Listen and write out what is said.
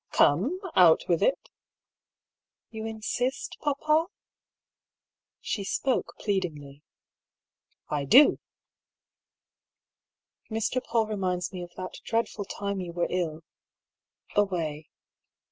" Come, out with it I "" You insist, papa ?" She spoke pleadingly. « I do." " Mr. Paull reminds me of that dreadful time you were ill — away.